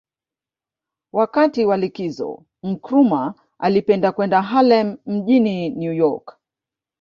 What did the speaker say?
Wakati wa likizo Nkrumah alipenda kwenda Harlem mjini New York